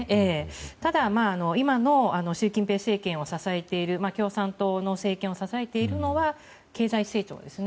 ただ、今の習近平政権を共産党の政権を支えているのは経済成長ですね。